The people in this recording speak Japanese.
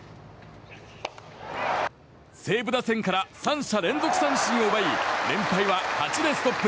西武打線から３者連続三振を奪い連敗は８でストップ。